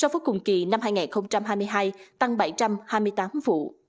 tăng bảy trăm hai mươi tám vụ